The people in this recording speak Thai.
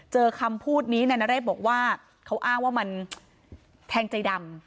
คำพูดนี้นายนเรศบอกว่าเขาอ้างว่ามันแทงใจดำ